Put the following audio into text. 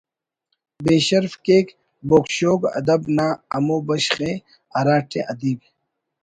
بے شرف cake Bogue شوگ ادب نا ہمو بشخ ءِ ہراٹی ادیب